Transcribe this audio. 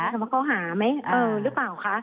ใช้คำว่าเข้าหาไหมหรือเปล่าค่ะ